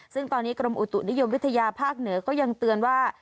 ซึ่งตอนนี้กรมอุตุนิยมวิทยาภาคเหนือก็ยังเตือนว่า